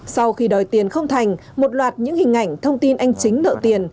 sau khi đòi tiền không thành một loạt những hình ảnh thông tin anh chính nợ tiền